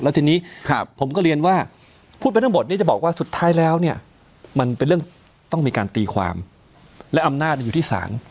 แล้วทีนี้ผมก็เรียนว่าพูดไปทั้งหมดนี้จะบอกว่าสุดท้ายแล้วเนี่ยมันเป็นเรื่องต้องมีการตีความและอำนาจอยู่ที่ศาล